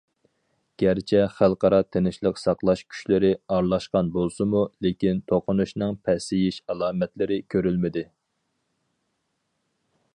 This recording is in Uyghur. گەرچە خەلقئارا تىنچلىق ساقلاش كۈچلىرى ئارىلاشقان بولسىمۇ، لېكىن توقۇنۇشنىڭ پەسىيىش ئالامەتلىرى كۆرۈلمىدى.